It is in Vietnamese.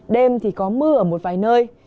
đêm thì có mưa ở một vài nơi